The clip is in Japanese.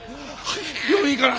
病院行かな。